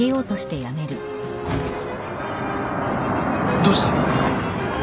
・どうした？